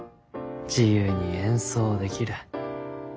自由に演奏できる。